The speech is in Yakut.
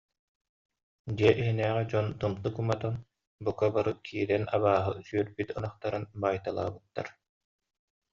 Дьиэ иһинээҕи дьон тымтык уматан, бука бары киирэн абааһы сүөрбүт ынахтарын баайталаабыттар